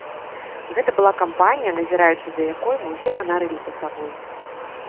Гэта была кампанія, назіраючы за якой, мы ўсе ганарыліся сабой.